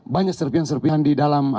banyak serpian serpihan di dalam